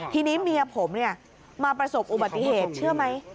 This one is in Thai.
ทีนี้เมียผมมาประสบอุบัติเหตุเชื่อไหม